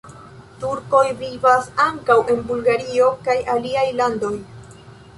Turkoj vivas ankaŭ en Bulgario kaj aliaj landoj.